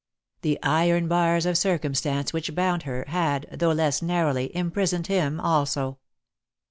The iron bars of circumstance which bound her, had, though less narrowly, imprisoned him also.